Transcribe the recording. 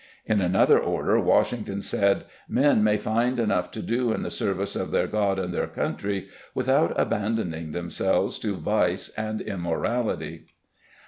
In another order Washington said, "Men may find enough to do in the service of their God and their country without abandoning themselves to vice and immorality".